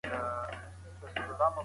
آیا کوچیان له ښاریانو سره توپیر لري؟